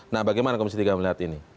nah bagaimana komisi tiga melihat ini